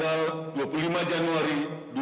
tanggal dua puluh lima januari dua ribu dua puluh